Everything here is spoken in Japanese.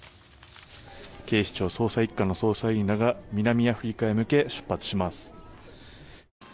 「警視庁捜査一課の捜査員らが南アフリカへ向け出国手続きを行います」